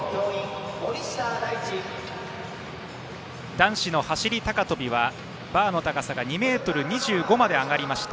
男子の走り高跳びはバーの高さが２ｍ２５まで上がりました。